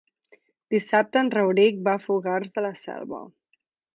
Dissabte en Rauric va a Fogars de la Selva.